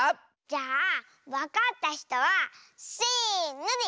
じゃあわかったひとはせのでいおう。